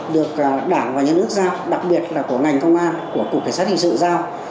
được đảng và nhà nước giao đặc biệt là của ngành công an của cục cảnh sát hình sự giao